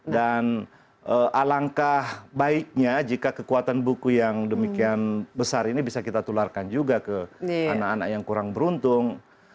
dan alangkah baiknya jika kekuatan buku yang demikian besar ini bisa kita tularkan juga ke anak anak yang kurang beruntung